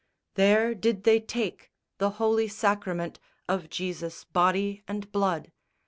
There did they take the holy sacrament Of Jesus' body and blood.